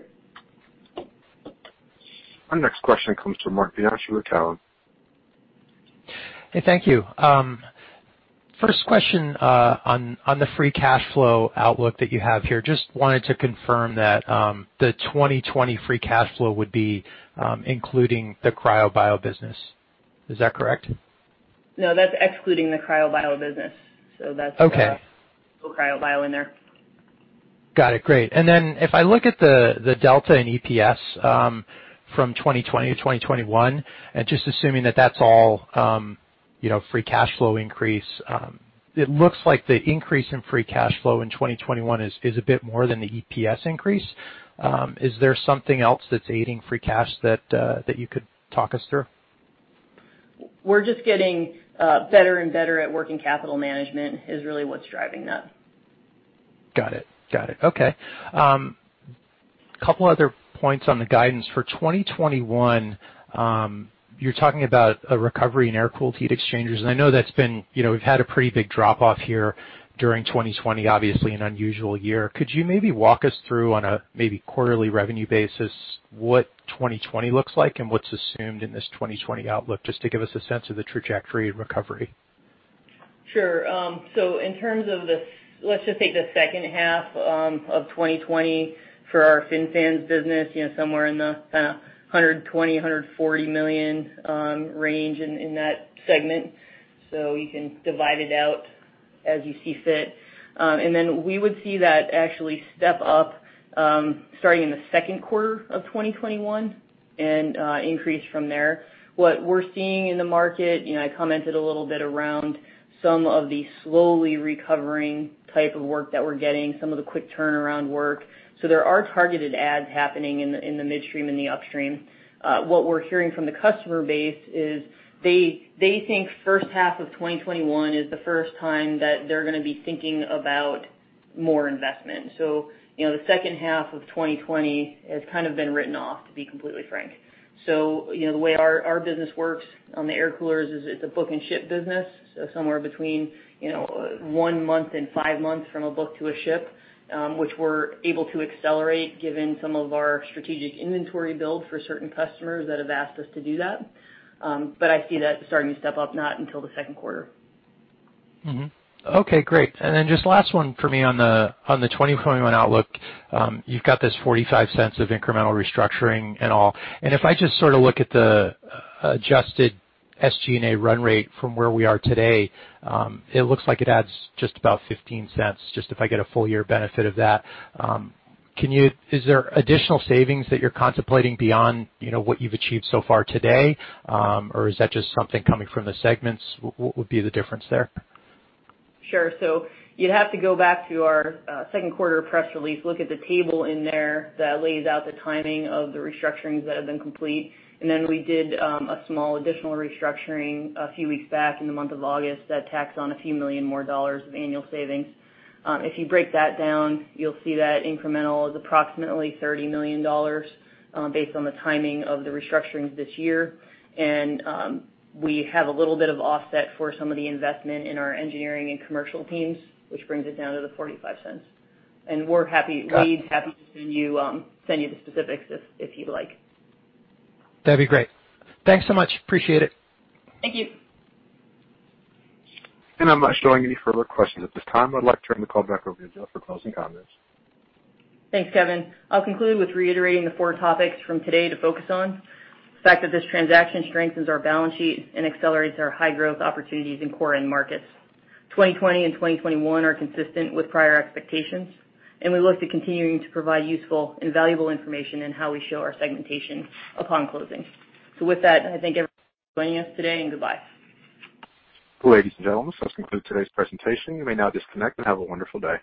Our next question comes from Marc Bianchi with Cowen. Hey, thank you. First question on the free cash flow outlook that you have here. Just wanted to confirm that the 2020 free cash flow would be including the cryobio business. Is that correct? No, that's excluding the cryobio business. So that's no cryobio in there. Got it. Great. And then if I look at the delta in EPS from 2020 to 2021, and just assuming that that's all free cash flow increase, it looks like the increase in free cash flow in 2021 is a bit more than the EPS increase. Is there something else that's aiding free cash that you could talk us through? We're just getting better and better at working capital management is really what's driving that. Got it. Got it. Okay. A couple other points on the guidance. For 2021, you're talking about a recovery in air-cooled heat exchangers. And I know that's been, we've had a pretty big drop-off here during 2020, obviously an unusual year. Could you maybe walk us through on a maybe quarterly revenue basis what 2020 looks like and what's assumed in this 2020 outlook just to give us a sense of the trajectory and recovery? Sure. So, in terms of, let's just take the second half of 2020 for our FinFans business, somewhere in the kind of $120-$140 million range in that segment. So you can divide it out as you see fit. And then we would see that actually step up starting in the second quarter of 2021 and increase from there. What we're seeing in the market, I commented a little bit around some of the slowly recovering type of work that we're getting, some of the quick turnaround work. So there are targeted adds happening in the midstream and the upstream. What we're hearing from the customer base is they think first half of 2021 is the first time that they're going to be thinking about more investment. So the second half of 2020 has kind of been written off, to be completely frank. The way our business works on the air coolers is it's a book and ship business. Somewhere between one month and five months from a book to a ship, which we're able to accelerate given some of our strategic inventory build for certain customers that have asked us to do that. I see that starting to step up, not until the second quarter. Okay. Great. And then just last one for me on the 2021 outlook. You've got this $0.45 of incremental restructuring and all. And if I just sort of look at the adjusted SG&A run rate from where we are today, it looks like it adds just about $0.15 just if I get a full year benefit of that. Is there additional savings that you're contemplating beyond what you've achieved so far today? Or is that just something coming from the segments? What would be the difference there? Sure. So you'd have to go back to our second quarter press release, look at the table in there that lays out the timing of the restructurings that have been complete. And then we did a small additional restructuring a few weeks back in the month of August that tacks on a few million more dollars of annual savings. If you break that down, you'll see that incremental is approximately $30 million based on the timing of the restructurings this year. And we have a little bit of offset for some of the investment in our engineering and commercial teams, which brings it down to the $0.45. And we're happy to send you the specifics if you'd like. That'd be great. Thanks so much. Appreciate it. Thank you. I'm not showing any further questions at this time. I'd like to turn the call back over to Jill for closing comments. Thanks, Kevin. I'll conclude with reiterating the four topics from today to focus on: the fact that this transaction strengthens our balance sheet and accelerates our high-growth opportunities in core end markets, 2020 and 2021 are consistent with prior expectations, and we look to continue to provide useful and valuable information in how we show our segmentation upon closing, so with that, I thank everyone for joining us today and goodbye. Ladies and gentlemen, this does conclude today's presentation. You may now disconnect and have a wonderful day.